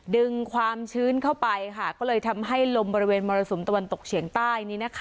ดึงความชื้นเข้าไปค่ะก็เลยทำให้ลมบริเวณมรสุมตะวันตกเฉียงใต้